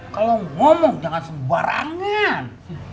kalau ngomong jangan sembarangan